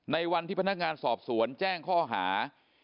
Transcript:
ในวันที่พนักงานสอบสวนแจ้งข้อหา